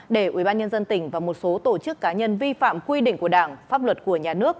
để ubnd tỉnh và một số tổ chức cá nhân vi phạm quy định của đảng pháp luật của nhà nước